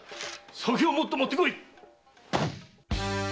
酒をもっと持ってこい！